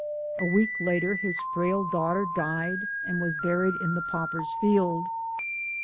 A week later his frail daughter died and was buried in the paupers field.